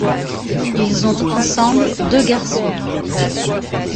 Ils ont ensemble deux garçons.